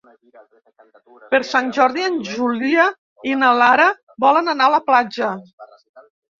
Per Sant Jordi en Julià i na Lara volen anar a la platja.